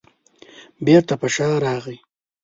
بېرته په شا راغی.